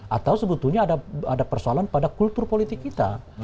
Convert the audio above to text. atau sebetulnya ada persoalan pada kultur politik kita